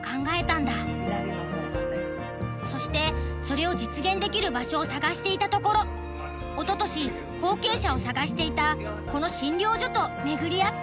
そしてそれを実現できる場所を探していたところおととし後継者を探していたこの診療所と巡り合ったんだ。